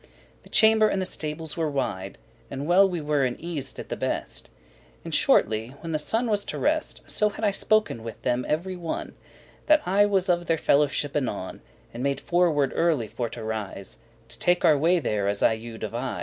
The chamber, and the stables were wide, And *well we weren eased at the best.* *we were well provided And shortly, when the sunne was to rest, with the best* So had I spoken with them every one, That I was of their fellowship anon, And made forword* early for to rise, *promise To take our way there as I you devise*.